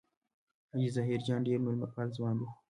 حاجي ظاهر جان ډېر مېلمه پال ځوان دی.